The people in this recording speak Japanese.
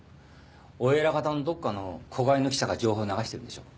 お偉方のどっかの子飼いの記者が情報を流しているんでしょう。